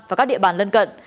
và các địa bàn lân cận